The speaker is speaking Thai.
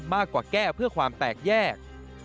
มากกว่าแก้เพื่อความแตกแยก